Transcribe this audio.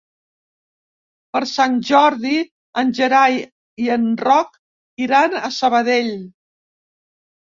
Per Sant Jordi en Gerai i en Roc iran a Sabadell.